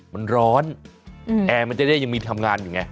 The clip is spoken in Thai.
มันร้อนแอร์มันจะได้ยังมีทำงานอยู่ไง